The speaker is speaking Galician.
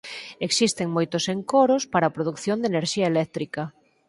Existen moitos encoros para a produción de enerxía eléctrica.